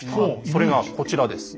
それがこちらです。